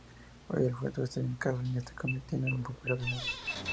Hoy el tueste en casa se está convirtiendo en popular de nuevo.